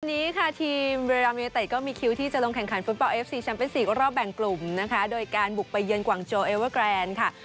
วันนี้ค่ะทีมเรียรัมยูเต็ดก็มีคิวที่จะลงแข่งขันฟุตบอลเอฟซีแชมเป็น๔รอบแบ่งกลุ่มนะคะโดยการบุกไปเยือนกวางโจเอเวอร์แกรนด์ค่ะ